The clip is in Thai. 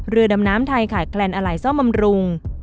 เรือดำน้ำไทยขาดแคลนอะไหล่ซ่อมบำรุง